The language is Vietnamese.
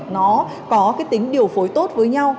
nó có cái tính điều phối tốt với chúng ta